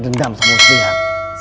dendam sama muslihat